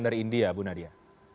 dari india bu nadia